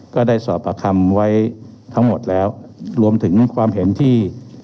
ก็ได้สอบประคำไว้ทั้งหมดแล้วรวมถึงความเห็นที่